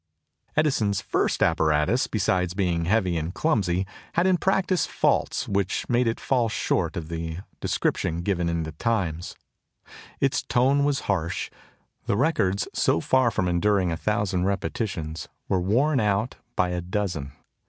Edison's first apparatus, besides being heavy and clumsy, had in practice faults which made it fall short of the description given in the Times. Its tone was harsh. The records, so far from enduring a thousand repetitions, were worn out by a dozen.